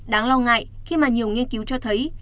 đáng lo ngại khi mà nhiều nghiên cứu cho thấy